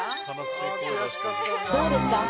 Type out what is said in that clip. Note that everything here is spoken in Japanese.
どうですか？